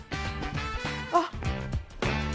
あっ！